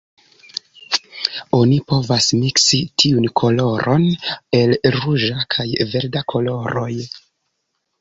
Oni povas miksi tiun koloron el ruĝa kaj verda koloroj.